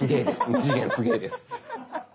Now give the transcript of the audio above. ２次元すげぇです。